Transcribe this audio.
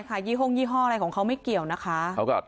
ยี่ห้องยี่ห้ออะไรของเขาไม่เกี่ยวนะคะ